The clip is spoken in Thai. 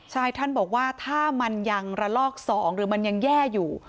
ใช่ท่านบอกว่าถ้ามันยังระลอก๒หรือมันยังแย่อยู่